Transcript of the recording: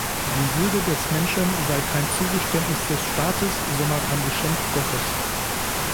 Die Würde des Menschen sei „kein Zugeständnis des Staates“, sondern ein Geschenk Gottes.